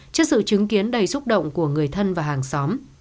trước sự chứng kiến đầy xúc động của người thân và hàng xóm